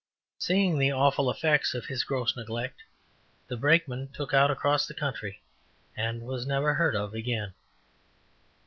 Seeing the awful effects of his gross neglect, the brakeman took out across the country and was never heard of again.